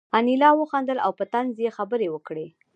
انیلا وخندل او په طنز یې خبرې وکړې